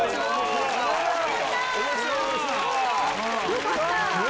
よかった！